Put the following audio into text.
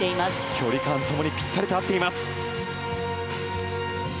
距離感ともにピッタリと合っています。